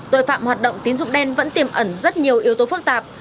tội phạm hoạt động tín dụng đen vẫn tiềm ẩn rất nhiều yếu tố phức tạp